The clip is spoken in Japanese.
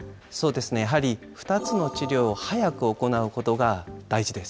やはり２つの治療を早く行うことが大事です。